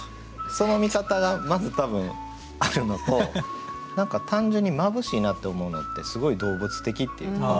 その見方がまず多分あるのと何か単純に眩しいなって思うのってすごい動物的っていうか。